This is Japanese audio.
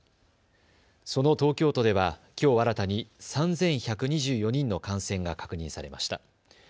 その東京都ではきょう新たに３１２４人の感染が確認されました。